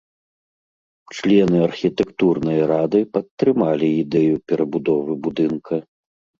Члены архітэктурнай рады падтрымалі ідэю перабудовы будынка.